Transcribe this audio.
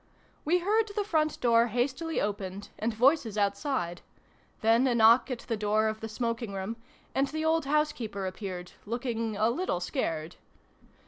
We heard the front door hastily opened, and voices outside : then a knock at the door of the smoking room, and the old house keeper appeared, looking a little scared.